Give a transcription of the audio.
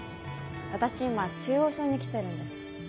私今中央小に来てるんです。